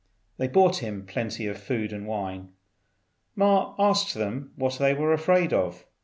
They brought him plenty of food and wine. Ma asked them what they were afraid of.